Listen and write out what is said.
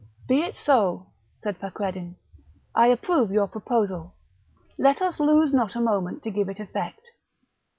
"Be it so!" said Fakreddin. "I approve your proposal; let us lose not a moment to give it effect."